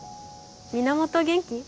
源元気？